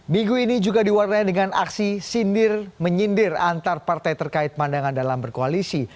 minggu ini juga diwarnai dengan aksi sindir menyindir antar partai terkait pandangan dalam berkoalisi